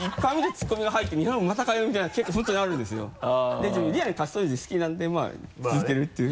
で自分リアルにカシスオレンジ好きなんでまぁ続けるっていう。